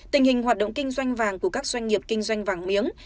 tình hình hoạt động kinh doanh vàng của các doanh nghiệp kinh doanh vàng miếng